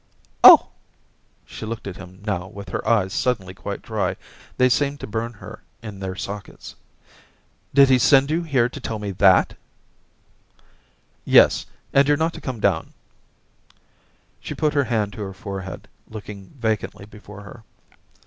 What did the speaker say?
* Oh !' She looked at him now with her eyes suddenly quite dry. They seemed to bum her in their sockets. *Did he send you here to tell me that?* * Yes ; and you're not to come down.' 244 Orientations She put her hand to her forehead, looking vacantly before her.